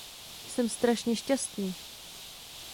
Jsem strašně šťastný.